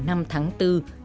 sau hai năm tập trung tổng lực